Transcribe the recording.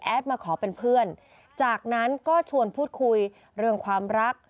มาขอเป็นเพื่อนจากนั้นก็ชวนพูดคุยเรื่องความรัก